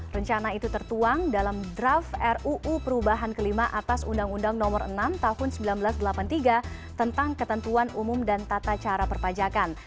rencana itu tertuang dalam draft ruu perubahan kelima atas undang undang nomor enam tahun seribu sembilan ratus delapan puluh tiga tentang ketentuan umum dan tata cara perpajakan